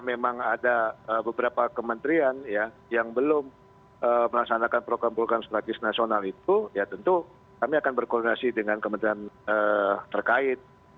memang ada beberapa kementerian yang belum melaksanakan program program strategis nasional itu ya tentu kami akan berkoordinasi dengan kementerian terkait